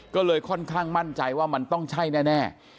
ก็เลยค่อนข้างมั่นใจว่ามันต้องใช่แน่